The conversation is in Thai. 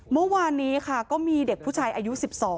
เมื่อวานนี้ค่ะก็มีเด็กผู้ชายอายุ๑๒